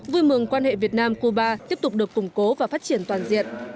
vui mừng quan hệ việt nam cuba tiếp tục được củng cố và phát triển toàn diện